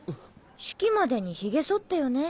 式までにヒゲそってよね。